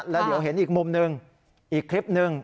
แล้วเดี๋ยวเห็นอีกมุมหนึ่งอีกคลิปหนึ่ง